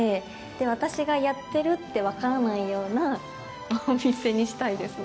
私がやってるって分からないようなお店にしたいですね。